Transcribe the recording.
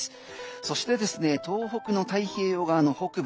そして、東北の太平洋側の北部